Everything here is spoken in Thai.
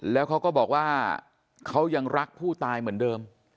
แล้วเขาก็บอกว่าเขายังรักผู้ตายเหมือนเดิม